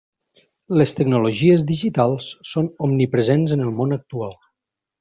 Les tecnologies digitals són omnipresents en el món actual.